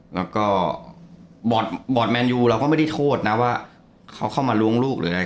แล้วก็บอร์ดแมนยูเราก็ไม่ได้โทษนะว่าเขาเข้ามาล้วงลูกหรืออะไร